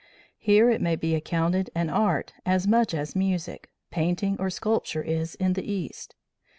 Here it may be accounted an art as much as music, painting or sculpture is in the East.